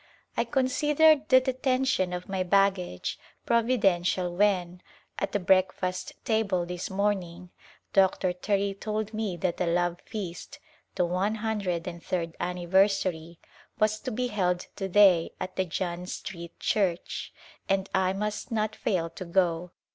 I considered the detention of my baggage providential when, at the breakfast table this morning. Dr. Terry told me that a love feast — the one hundred and third anniversary — was to be held to day at the John Street Church, and I must not fail to go.